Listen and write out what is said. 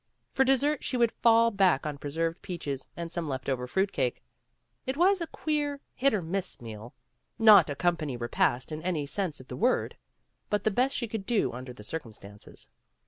For dessert she would fall back on preserved peaches and some left over fruit cake. It was a queer, hit or miss meal, not a company repast in any sense of the word, but the best she could do under the circum stances.